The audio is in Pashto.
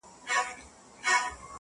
هغه ليونی سوی له پايکوبه وځي-